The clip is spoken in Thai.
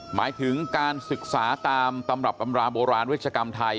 หมายถึงการศึกษาตามตำรับตำราโบราณเวชกรรมไทย